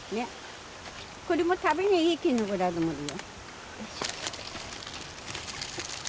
これも食べていいきのこだと思うよ。